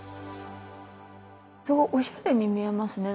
すごいおしゃれに見えますね。